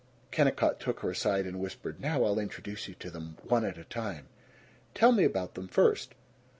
Kennicott took her aside and whispered, "Now I'll introduce you to them, one at a time." "Tell me about them first."